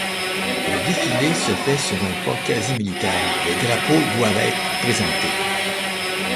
Le défilé se fait sur un pas quasi-militaire, les drapeaux doivent être présentés.